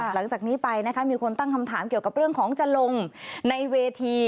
หลังจากนี้ไปนะคะมีคนตั้งคำถามเกี่ยวกับเรื่องของจะลงในเวที